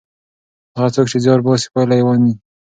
هغه څوک چې زیار باسي پایله یې ویني.